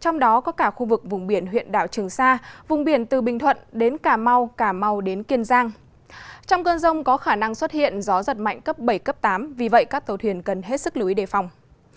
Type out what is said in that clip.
trong cơn rông có khả năng xuất hiện gió giật mạnh cấp bảy cấp tám vì vậy các tàu thuyền cần hết sức lưu ý đề phòng